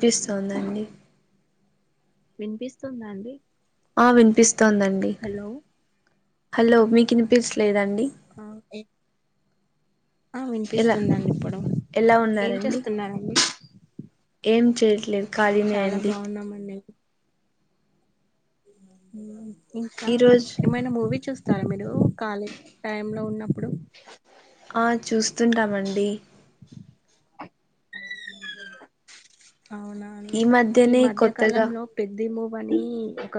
పిస్తోందండి వినిపిస్తుందా అండి ఆ వినిపిస్తోందండి, హలో హలో మీకినిపిస్ లేదా అన్ అ ఏం ఆ ఎలా వినిపిస్తుందండిప్పుడు ఎలా ఏం ఉన్నారండి చేస్తున్నారండి ఏం చేయట్లేదు ఖాళీనే చాలా అండి బాగున్నామండి ఉమ్ ఇంకా ఈరోజు ఏమైనా మూవీ చూస్ తారా మీరు కాలి టైమ్ లో ఉన్నప్పుడు ఆ చూస్తుంటామండి ఈ మధ్యనే కొత్తగా మధ్యకాలంలో పెద్ది మూవని ఒక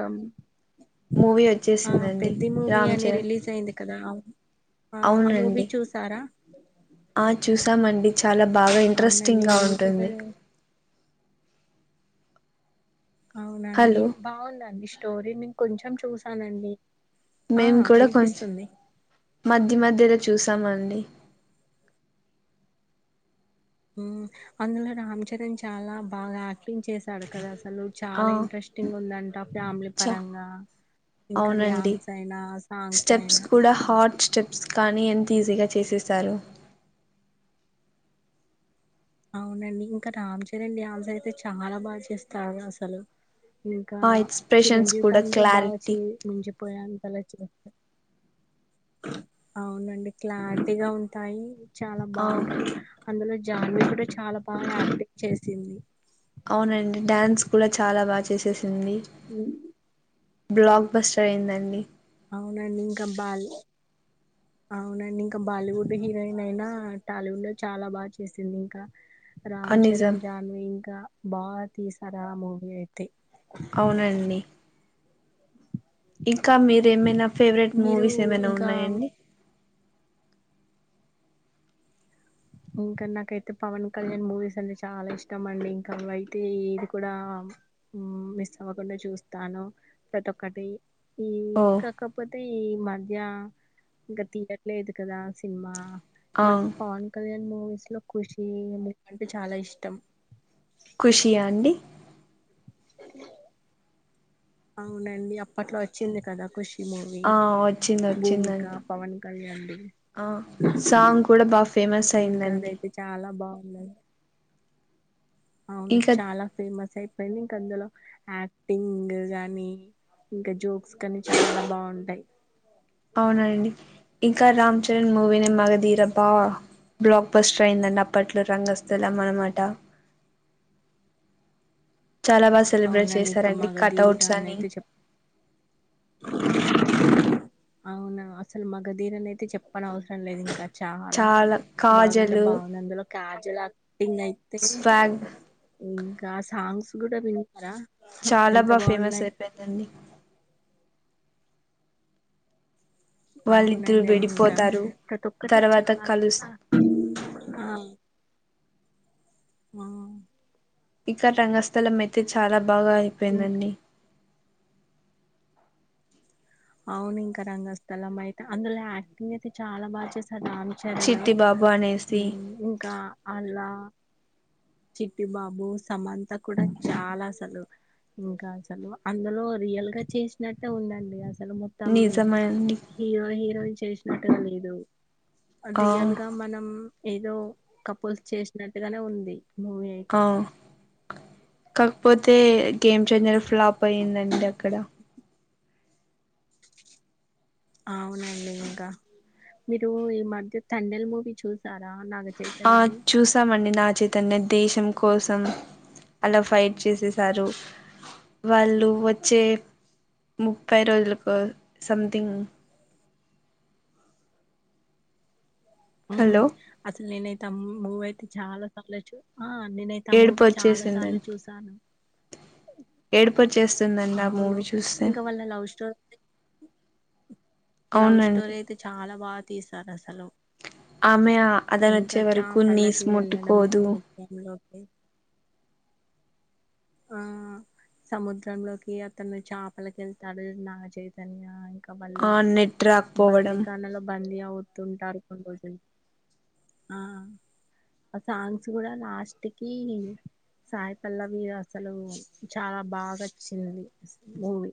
మూవీ ఆ వచ్చేసిందండి పెద్ది మూవీ రామ్ అని చరణ్ రిలీజ్ అయింది కదా ఆ మూవీ అవునండి చూసారా తామండి చాలా బాగా ఇంట్రెస్టింగ్ అవునండి గా నేను కూడా ఉంటుంది అవునండి హలో బాగుందండి స్టోరీ నేను కొంచెం చూసానండి ఆ మేము కూడా కొంచం వినిపిస్తుంది మధ్య మధ్యలో చూస్ తమండి మ్మ్ అందులో రామ్ చరణ్ చాలా బాగా లింగ్ చేసాడు కదా అసలు ఆ చాలా ఇంట్రెస్టింగ్ ఉందంట ఫ్యామిలీ చ పరంగా ఇంకా అవునండి డ్యాన్స్ అయినా సాంగ్స్ స్టెప్స్ అయినా కూడా హార్డ్ స్టెప్స్ కానీ ఎంత్ ఈజీగా చేసేసారు అవునండి ఇంకా రామ్ చరణ్ డ్యాన్సయితే చాలా బాగా చేస్తడు అసలు ఇంకా ఆ ఎక్స్ప్రెషన్స్ చిరంజీవి కూడా కంటే బాగా క్లారిటీ చి ముంచిపోయాను అవునండి క్లారిటీగా ఉంటాయి చాలా ఆ బాగుంటది అందులో జాన్వీ కూడా చాలా బాగా యాక్టింగ్ చేసింది అవునండి డ్యాన్స్ కూడా చాలా బాగ చేసేసింది ఉమ్, బ్లాక్ బస్టర్ అయిందండి అవునండి ఇంకా బాల్ అవునండి ఇంకా బాలీవుడ్ హీరోయిన్ అయినా టాలీవుడ్ లో చాలా బాగా చేసింది ఇంకా ఆ రామ్ నిజం చరణ్ జాన్వి ఇంకా బాతీసారు ఆ మూవి అయితే అవునండి ఇంకా మీరేమైనా ఫేవరెట్ మీరు మూవీస్ ఏమైనా ఇంకా ఉన్నాయండి ఇంకా నాకైతే పవన్ కళ్యాణ్ మూవీస్ అంటే చాలా ఇష్టం అండి ఇంకా అవయితే ఇది కూడా మ్మ్ మిస్ అవ్వకుండా చూస్తాను ప్రతొక్కటి మ్మ్ ఓ కాకపోతే ఈ మ యా ఇంకా తీయట్లేదు కదా సినిమా ఆ నాకు పవన్ కళ్యాణ్ మూవీస్ లో ఖుషీ మూవీ అంటే చాలా ఇష్టం ఖుషియా అండి అవునండి అప్పట్లో వచ్చింది కదా ఖుషి మూవీ ఆ వచ్చింది భూమిక వచ్చిందండి పవన్ కళ్యాణ్ ది ఆ సాంగ్ కూడా బా ఫేమస్ అయిందండి అన్న అవును ఇంకా చాలా ఫేమస్ అయిపోయింది ఇంక అందులో యాక్టింగ్ గాని ఇంకా జోక్స్ కానీ చాలా బాగుంటాయి అవునా అండి ఇంకా రామ్ చరణ్ మూవీనే మగదీర బా బ్లాక్ బస్టర్ అయిందండి అప్పట్లో రంగస్థలం అనమాట చాలా బాగా సెలబ్రేట్ అవునండి ఇంకా చేశారండి మగధీర కటౌట్స్ అని అయితే చెప్ అవునా అసలు మగదీరని అయితే చెప్పనవసరం లేదు ఇంకా చాలా బాగాంటే బాగుంది అందులో కాజల టింగ్ అయితే స్వాగ్ ఇంకా సాంగ్స్ కూడా విన్నారా చాలా ఎంత బా ఫేమస్ బాగున్నాయి అయిపోయిందండి వాళ్ళిద్దరు అవునండి అ ఇంకా విడిపోతారు ప్రతి ఒక్కటి తర్వాత చాలా కలుస్ ఆ ఆ ఇక్కడ రంగస్థలమయితే చాలా బాగా ఇంకా అయిపోయిందండి అవును ఇంకా రంగస్థలం అయితే అందులో యాక్టింగ్ అయితే చాలా బాగా చేస్ రామ్ చరణు చిట్టి బాబు అనేసి మ్మ్ ఇంకా అలా చిట్టి బాబు సమంత కూడా చాలా అసలు ఇంకా అసలు అందులో రియల్ గా చేసినట్టే ఉందండి అస సలు మొత్తం నిజమండి హీరో హీరోయిన్ చేసినట్టుగా లేదు ఆ అదియల్ గా మనం ఏదో కపుల్స్ చేసినట్టుగానే ఉంది. మూవీ అయితే ఆ కాక్ పోతే గేమ్ చేంజర్ ఫ్లాప్ అయిందండి అక్కడ అవునండి ఇంకా మీరు ఈ మధ్య తండెల్ మూవీ చూస్ ఆ చూసామండి నాగ్ చైతన్య దేశం కోసం అలా ఫైట్ చేసేసారు వాళ్ళు వచ్చే ముప్పై రోజులకు సంథింగ్ హలో ఉమ్ అసలు నేనైతే అమ్ మూవ అయితే చాలా సర్లే చూ ఆ నేనైతే ఆ ఏడుపు మూవీ చాలా సార్లే చూసాను ఏడుపొచేేస్తుందండి ఆ అవును మూవీ చూస్తే ఇంకా వాళ్ళ లవ్ స్టోరీ లవ్ అవునండి స్టోరీ అయితే చాలా బాగా తీసారు అసలు ఆమె ఇంకా అదనొచ్చే వరకు నీస్ చాపలకి వెళ్ళడం ముట్టుకోదు [inaudible] సముద్రంలోకి ఆ [inaudible] సముద్రంలోకి అతను చపలకి వెళ్తాడు నాగ చైతన్య ఇంకా వాళ్ళు ఆ నెట్ రాకపోవడం బందీకానలో బందీ అవుతుంటారు కొన్ని రోజులు. ఆ ఆ సాంగ్స్ కూడా లాస్ట్ కి సాయి పల్లవి అస్ అసలు చాలా బాగాచ్చింది మూవీ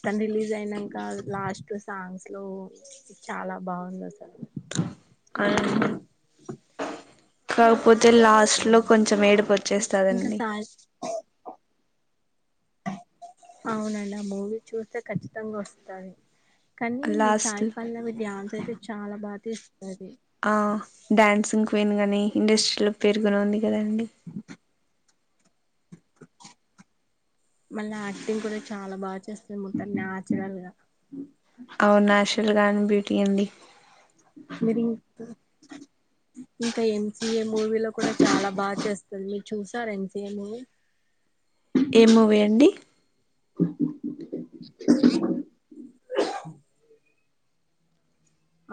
అతను రిలీజ్ అయినాక లాస్ట్ సాంగ్స్ లో చాలా బాగుంది. అసలు అనండి కాకపోతే లాస్ట్ లో కొంచెం ఏడుప్ ఇంకా సాయి అవునండి మూవీ చూస్తే ఖచ్చితంగా వస్తాది కానీ ఈ లాస్ట్ లో సాయిపల్లవి డాన్స్ అయితే చాలా బాగాతీస్ ఆ డ్యాన్సింగ్ క్వీన్ గాని ఇండస్ట్రీలో పేరు గాని ఉంది కదాండి. మళ్ళ యాక్టింగ్ కూడా చాలా బాగా చేస్తాది చాలా నచరల్ గా. అవ్ నచరల్ గానే బ్యూటీ అండి మీరింతా ఇంకా ఎంసీఏ మూవీలో కూడా చాలా బాగా చేస్తది చూసారా ఎంసీఏ మూవీ. ఏ మూవీ అండి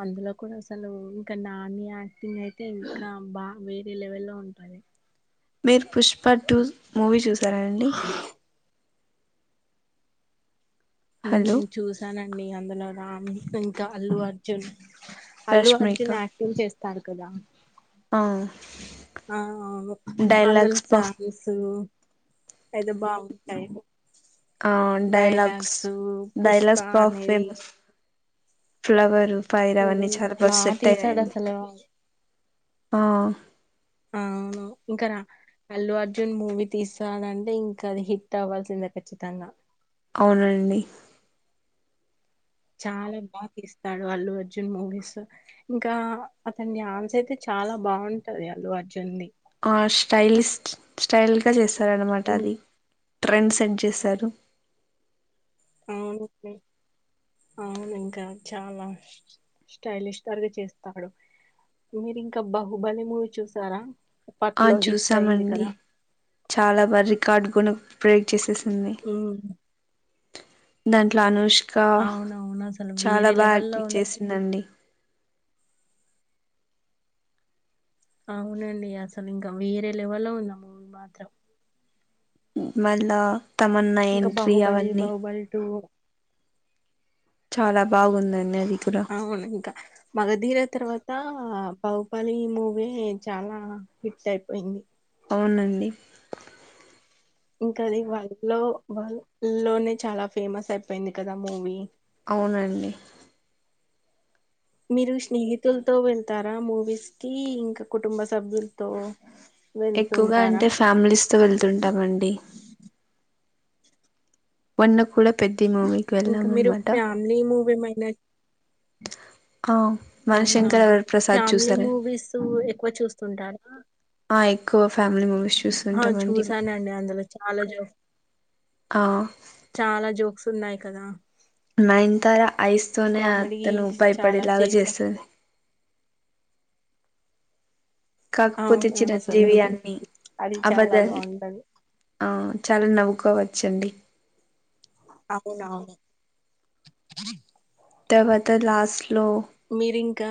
అందులో కూడా అసలు ఇంకా నాని యాక్టింగ్ అయితే ఇంకా బాగా వేరే లెవెల్ లో ఉంటాయి. మీరు పుష్ప టూ మూవీ చూసారా అండి హలో ఉ చూసానండి అందులో రామ్ ఇంకా అల్లు అర్జున్ అల్లు రష్మిక అర్జున్ యాక్టింగ్ చేస్తారు కదా ఆ ఆ అందులో డైలాగ్స్ బఫ్ సాంగ్సు పెద్ద బావుంటాయేమో ఆ డైలాగ్స్ పుష్ప డైలాగ్స్ బా అనేది ఫేమస్ ఫ్లవరు ఫైర్ అవన్నీ ఉమ్, చానా బాగా సెట్ తీసాడు అయ్యినాయండి. అసలు ఆ అవును ఇంకా రా అల్లు అర్జున్ మూవీ తీస్తానడంటే ఇంకా అది హిట్ అవ్వాల్సిందే ఖచ్చితంగా. అవునండి చాలా బాగా తీస్తాడు అల్లు అర్జున్ మూవీస్, ఇంకా అతని డ్యాన్స్ అయితే చ చాలా బాగుంటది అల్లు అర్జున్ది ఆ స్టైలిస్ స్టైల్గా చేస్తారనమాట ఉమ్, అది ట్రెండ్ సెంట్ చేశారు [unintelligible] అవును ఇంకా చాలా స్టైలిష్ స్టార్గా చేస్తాడు మీరు ఇంకా బాహుబలి మూవీ చూసారా ఆ అప్పట్లో హిట్ అయింది చూసామండి కదా చాలా బా రికార్డు కూన బ్రేక్ చేసే హ్మ్ దాంట్లో అనుష్ కా అవునవును అసలు చాలా వేరే బా లెవెల్లో యాక్టింగ్ ఉంది చేసిందండి అవునండి అసలు ఇంకా వీరే లెవెల్లో ఉందా మూవీ మాత్రం మళ్ళా తమన్నా ఇంకా ఎంట్రీ బాహుబలి అవన్నీ బాహుబలి టూ చాలా బాగుందండి అది కూడా అవునింకా మగదీర తర్వాత బాహుబలి మూవీ చాలా హిట్ అయిపోయింది అవునండి ఇంకా అది వరడ్ లో వ లోనే చాలా ఫేమస్ అయిపోయింది కదా మూవీ అవునండి మీరు స్నేహితులతో వెళ్తారా మూవీస్ కి ఇంకా కుటుంబ సభ్యుల్ తో ఎక్కువగా వెళ్తుంటారా అంటే ఫ్యామిలీస్ తో వెళ్తుంటామండి మొన్న కూడా పెద్ది మూవీకి వెళ్ళాం అనమాట లే ఆ అవునా మనశంకర వరప్రసాద్ ఫ్యామిలీ చూసారండి మూవీసు ఎక్కువ చూస్తుంటారా ఆ ఎక్కువ ఫ్యామిలీ మూవీస్ ఆ చూస్తుంటామండి చూసానండి అందులో చాలా జోక్స్ ఆ చాలా జోక్స్ ఉన్నాయి కదా నయన్తార ఐస్ తోనే కామెడీ అతను చాలా భయపడేలాగా చేసా చేస్తుంది కాకపోతే అవును అసలు చిరంజీవి అన్ని అది చాలా అబద్ధాలే బాగుంటది ఆ చాలా నవ్వుకోవచ్చండి అవునా తరవాత లాస్ట్ లో మీరింకా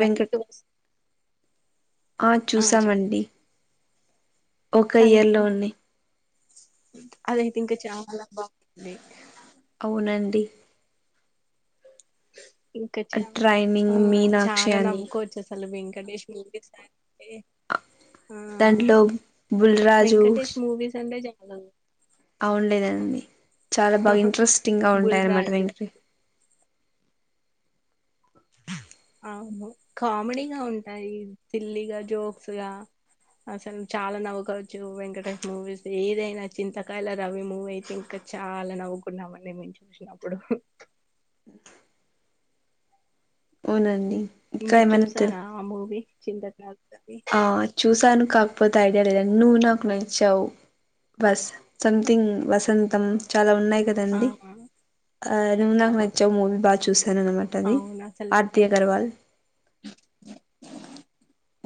వెంకట్ వస్ ఆ చూసామండి ఒక ఇయర్ లోనే అదయితే ఇంకా చాలా బాగుంది అవునండి ఇంకా చ ఆ ట్రైనింగ్ మీనాక్షి చాలా అని నవ్వుకోవచ్చు అసలు వెం కటేష్ మూవీస్ అంటే ఆ దాంట్లో బుల్ రాజు వెంకటేష్ మూవీస్ అంటే చాలా అవున్లేదండి చాలా బా ఇంట్రెస్టింగ్ గా ఉంటాయి బుల్ అనమాట రాజు వెంకీ అవును ఖామెడీగా ఉంటాయి సిల్లీగా జోక్స్ గా అసల్ చాలా నవ్వుకోవచ్చు వెంకటేష్ మూవీస్ ఏదైనా చింతకాయల రవి మూవీ అయితే ఇంకా చాలా నవ్వుకున్నామండి మేము చూసినప్పుడు అ ఇంకా మీరు ఏమైనా తెల్ చూసారా ఆ మూవీ చింతకా ఆ చూసాను కాకపోతే ఐడియా లేదండి నువ్వు నాకు నచ్చావు వస్ సమ్థింగ్ వసంతం చాలా ఉన్నాయి ఆ కదండి ఆ నువ్వు నాకు నచ్చావు మూవీ బా చూస్ సా ననమాటది అవును అసలు ఆర్తి అగర్వాల్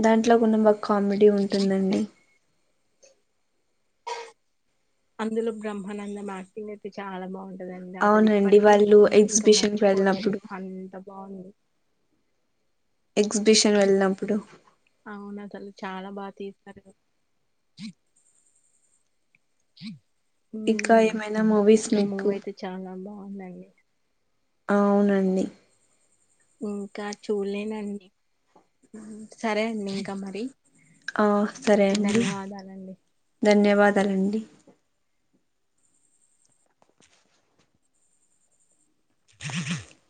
దాంట్లో కుంచం బా కామెడీ ఉంటుందండి అందులో బ్రహ్మానంద యాక్టింగ్ అయితే చాలా బాం కదండి అసలు అవునండి ఇప్పటికీ వాళ్ళు ఇంకా ఎగ్జిబిషన్ కి మర్చిపోలేదు వెళ్ళినప్పుడు అంత బాంది ఎగ్జిబిషన్ వెళ్ళినప్పుడు అవునసలు చాలా బా తీస్ సారు ఇకా ఏమైన మూవీస్ మీకు అలాగే అవునండి ఇంకా చూల్లేనండి సరే అండి ఇంకా మరి ఆ సరే అండి ధన్యవాదాలండి ధన్యవాదాలండి [inaudible]